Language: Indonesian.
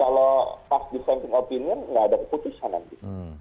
kalau pas disenting opinion gak ada keputusan nanti